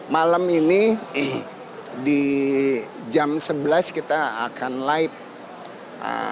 malam ini di jam sebelas kita akan live